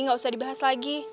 gak usah dibahas lagi